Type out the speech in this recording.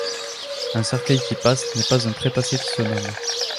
Un cercueil qui passe n’est pas un trépassé qui se nomme.